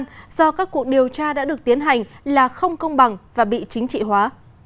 do các cuộc điều tra đã được tiến hành là không công bằng và bị chính trị hóa